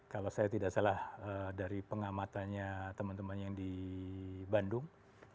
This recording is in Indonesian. kalau saya tidak salah dari pengamatannya teman teman yang di bandung